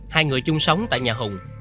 hai người chung sống tại nhà hùng